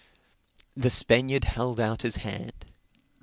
The Spaniard held out his hand.